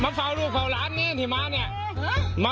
เฝ้าลูกเฝ้าหลานนี่ที่มาเนี่ย